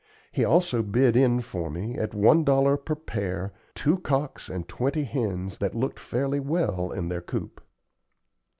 He also bid in for me, at one dollar per pair, two cocks and twenty hens that looked fairly well in their coop.